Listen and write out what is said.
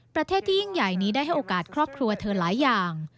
ประเทศที่ยิ่งใหญ่นี้ได้ให้โอกาสครอบครัวเธอหลายอย่าง